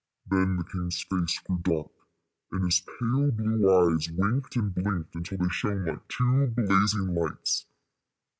Then the king's face grew dark, and his pale blue eyes winked and blinked until they shone like two blazing lights.